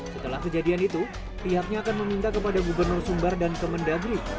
setelah kejadian itu pihaknya akan meminta kepada gubernur sumbar dan kemendagri